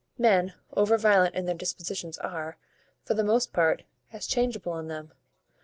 Men over violent in their dispositions are, for the most part, as changeable in them.